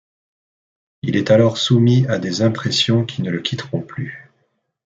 Il est alors soumis à des impressions qui ne le quitteront plus.